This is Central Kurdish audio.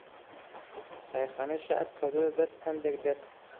چایخانەی شەعب کەوتۆتە دەست ھەندێک دەست